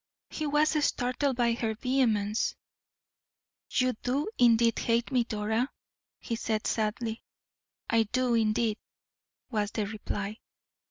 He was startled by her vehemence. "You do indeed hate me, Dora," he said, sadly. "I do, indeed," was the reply.